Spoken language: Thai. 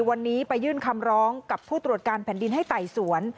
วันนี้ไปยื่นคำร้องกับผู้ตรวจการแผ่นดินให้ไต่สวน